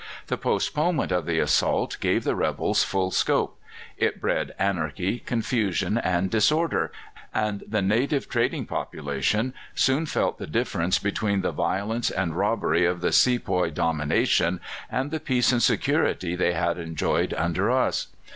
The postponement of the assault gave the rebels full scope: it bred anarchy, confusion, and disorder, and the native trading population soon felt the difference between the violence and robbery of the sepoy domination and the peace and security they had enjoyed under us.